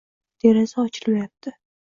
Deraza ochilmayapti.